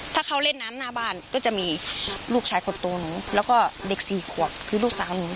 ถ้าเขาเล่นน้ำหน้าบ้านก็จะมีลูกชายคนโตหนูแล้วก็เด็กสี่ขวบคือลูกสาวหนู